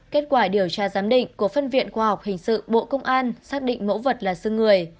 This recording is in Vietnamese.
kết quả điều tra giám định của phân viện khoa học hình sự bộ công an xác định mẫu vật là sưng người